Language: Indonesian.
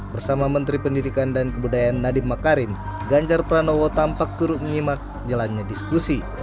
bersama menteri pendidikan dan kebudayaan nadiem makarim ganjar pranowo tampak turut menyimak jalannya diskusi